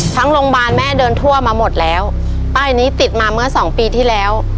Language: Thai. โรงพยาบาลแม่เดินทั่วมาหมดแล้วป้ายนี้ติดมาเมื่อสองปีที่แล้ว